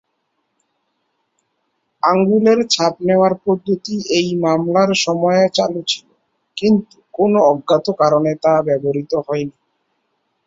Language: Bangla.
আঙুলের ছাপ নেয়ার পদ্ধতি এই মামলার সময়ে চালু ছিলো, কিন্তু কোনো অজ্ঞাত কারণে তা ব্যবহৃত হয়নি।